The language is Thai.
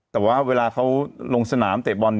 แต่ว่าเวลาเขาลงสนามเตะบอล